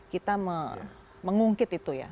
kita mengungkit itu ya